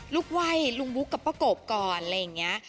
ไหว้ลุงบุ๊กกับป้ากบก่อนอะไรอย่างนี้